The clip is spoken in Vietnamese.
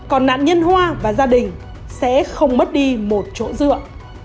còn nạn nhân hoa và gia đình sẽ không mất đi một chỗ dựa